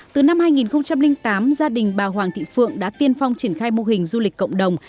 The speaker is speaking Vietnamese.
từ năm hai nghìn tám gia đình bà hoàng thị phượng đã tiên phong triển khai mô hình du lịch cộng đồng